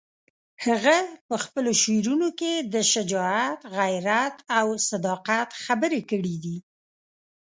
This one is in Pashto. هغه په خپلو شعرونو کې د شجاعت، غیرت او صداقت خبرې کړې دي.